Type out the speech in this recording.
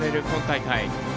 今大会。